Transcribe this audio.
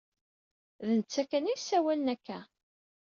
D netta kan ay yessawalen akka.